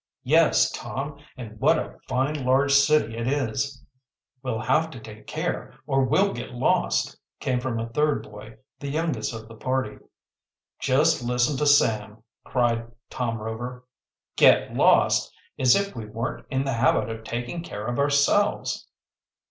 "Yes, Tom, and what a fine large city it is." "We'll have to take care, or we'll get lost," came from a third boy, the youngest of the party. "Just listen to Sam!" cried Tom Rover. "Get lost! As if we weren't in the habit of taking care of ourselves."